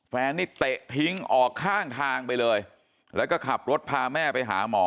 แฟนนี่เตะทิ้งออกข้างทางไปเลยแล้วก็ขับรถพาแม่ไปหาหมอ